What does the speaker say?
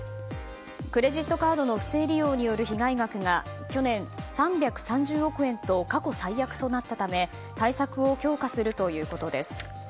クレジットカードの不正利用による被害額が去年３３０億円と過去最悪となったため対策を強化するということです。